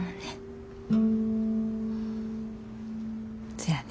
そやね。